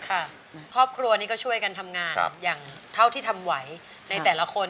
ครอบครัวนี้ก็ช่วยกันทำงานอย่างเท่าที่ทำไหวในแต่ละคน